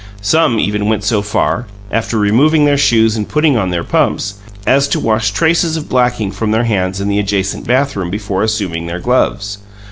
Some even went so far after removing their shoes and putting on their pumps as to wash traces of blacking from their hands in the adjacent bathroom before assuming their gloves.